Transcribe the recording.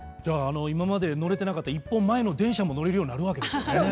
今まで乗れていなかった１本前の電車も乗れるようになるわけですね。